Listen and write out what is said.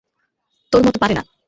তোর মতো পারে না।